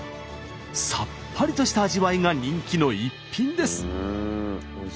さっぱりとした味わいが人気の逸品です。